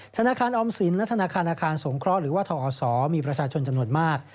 ธนาคารออมสินและธนาคารอาคารสงเคราะห์หรือว่าทอศมีประชาชนจำนวนมาก